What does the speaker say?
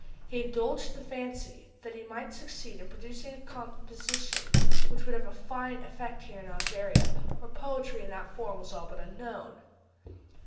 He indulged the fancy that he might succeed in producing a composition which would have a fine effect here in Algeria, where poetry in that form was all but unknown.